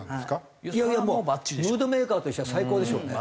いやいやもうムードメーカーとしては最高でしょうね。